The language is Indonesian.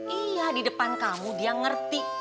iya di depan kamu dia ngerti